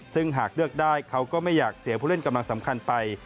ซึ่งหากเลือกได้เขาก็ไม่อยากเสียผู้เล่นกำลังสำคัญไป